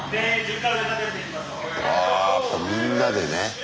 あやっぱみんなでね。